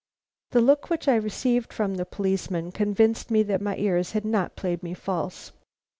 The look which I received from the policeman convinced me that my ears had not played me false.